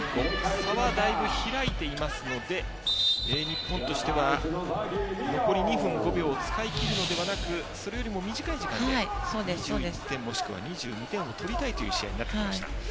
差はだいぶ開いていますので日本としては残り２分５秒使い切るのではなくそれよりも短い時間で２１点、もしくは２２点を取りたいという試合になってきました。